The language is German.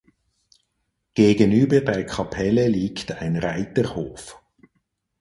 Gegenüber der Kapelle liegt ein Reiterhof.